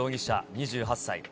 ２８歳。